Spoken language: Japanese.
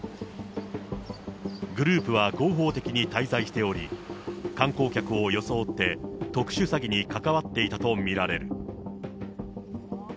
グループは合法的に滞在しており、観光客を装って特殊詐欺に関わっていたと見られる。